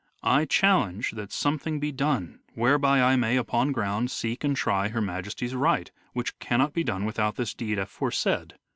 I challenge that something be done whereby I may, upon ground, seek and try Her Majesty's right, which cannot be done without this deed afore said.